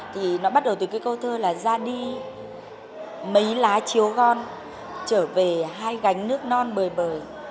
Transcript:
thì nó bắt đầu từ cái câu thơ là ra đi mấy lá chiếu gon trở về hai gánh nước non bời bời